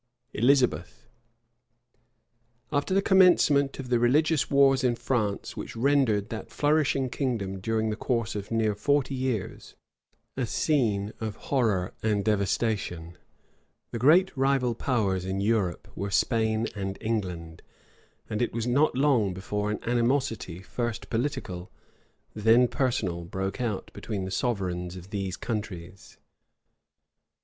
ELIZABETH. {1562.} After the commencement of the religious wars in France, which rendered that flourishing kingdom, during the course of near forty years, a scene of horror and devastation, the great rival powers in Europe were Spain and England; and it was not long before an animosity, first political, then personal, broke out between the sovereigns of these countries.